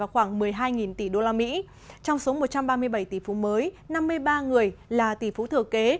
khoảng một mươi hai tỷ usd trong số một trăm ba mươi bảy tỷ phú mới năm mươi ba người là tỷ phú thừa kế